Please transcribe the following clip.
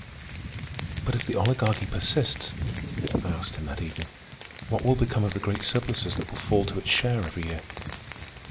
"But if the Oligarchy persists," I asked him that evening, "what will become of the great surpluses that will fall to its share every year?"